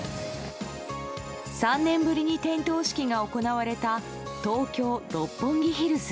３年ぶりに点灯式が行われた東京・六本木ヒルズ。